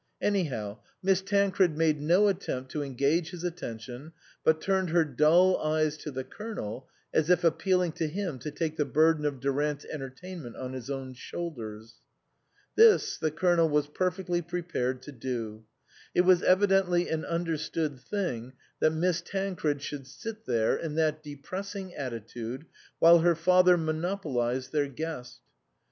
Anyhow Miss Tancred made no attempt to engage his attention, but turned her dull eyes to the Colonel, as if appealing to him to take the burden of Durant's entertainment on his own shoulders. This the Colonel was perfectly prepared to do. It was evidently an understood thing that Miss Tancred should sit there, in that depressing attitude, while her father monopolised their guest.